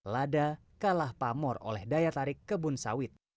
lada kalah pamor oleh daya tarik kebun sawit